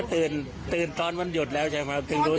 แล้วตื่นตอนมันหยุดแล้วจังหละก็คล้องไปโรงเกลือ